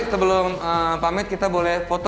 sebelum pamit kita boleh foto